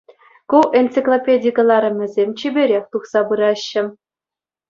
Ку энциклопеди кӑларӑмӗсем чиперех тухса пыраҫҫӗ.